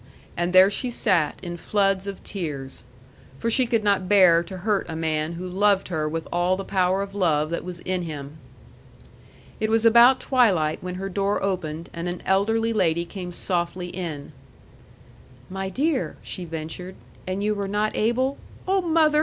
And there she sat, in floods of tears. For she could not bear to hurt a man who loved her with all the power of love that was in him. It was about twilight when her door opened, and an elderly lady came softly in. "My dear," she ventured, "and you were not able " "Oh, mother!"